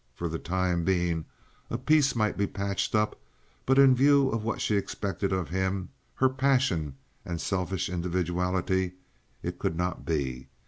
For the time being a peace might be patched up, but in view of what she expected of him—her passion and selfish individuality—it could not be.